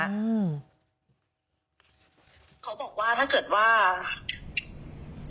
เขาบอกว่าถ้าเกิดว่า